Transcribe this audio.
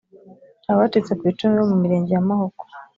abacitse ku icumu bo mu mirenge yamahoko``